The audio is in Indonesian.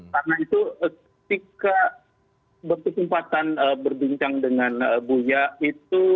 karena itu ketika berkesempatan berbincang dengan buya itu